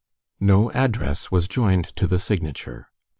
No address was joined to the signature.